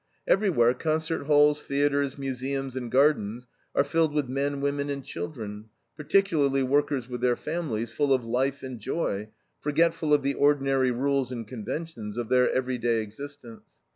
Everywhere concert halls, theaters, museums, and gardens are filled with men, women, and children, particularly workers with their families, full of life and joy, forgetful of the ordinary rules and conventions of their every day existence.